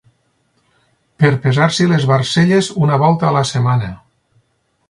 Per pesar-s'hi les barcelles una volta a la setmana.